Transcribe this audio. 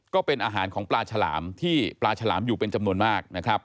ก็เป็นอาหารของปลาฉลามที่ปลาฉลามอยู่เป็นจำนวนมากนะครับ